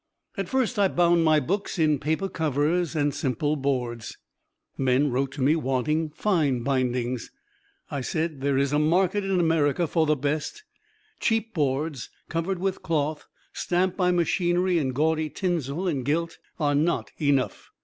At first I bound my books in paper covers and simple boards. Men wrote to me wanting fine bindings. I said, "There is a market in America for the best cheap boards, covered with cloth, stamped by machinery in gaudy tinsel and gilt, are not enough."